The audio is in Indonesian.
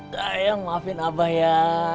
sayang maafin abah ya